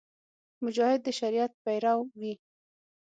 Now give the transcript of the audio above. مجاهد د شریعت پیرو وي.